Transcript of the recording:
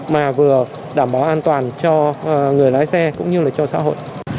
mà vừa đảm bảo an toàn cho người lái xe cũng như là cho xã hội